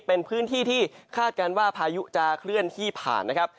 เป็นพื้นที่ที่คาดการณ์ว่าพายุจะเคลื่อนที่ผ่านนะครับ